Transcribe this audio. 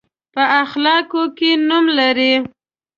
په اخلاقو کې نوم لري.